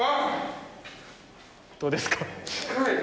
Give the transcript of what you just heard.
どうですか？